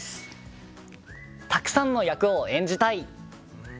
たくさんの役を演じたい！